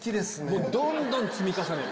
もうどんどん積み重ねる。